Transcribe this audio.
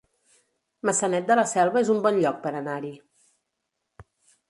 Maçanet de la Selva es un bon lloc per anar-hi